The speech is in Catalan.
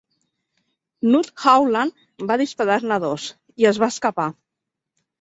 Knut Haugland va disparar-ne dos, i es va escapar.